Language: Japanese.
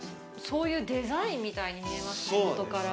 そういうデザインみたいに見えますね元から。